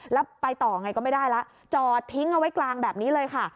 แล้วไปต่อไงก็ไม่ได้แล้วจอดทิ้งเอาไว้กลางแบบนี้เลยค่ะ